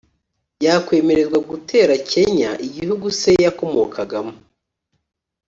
yakwemererwa gutera kenya igihugu se yakomokagamo,